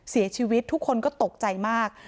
เสียชีวิตทุกคนก็ตกใจมาก